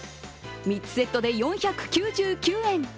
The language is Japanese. ３つセットで４９９円。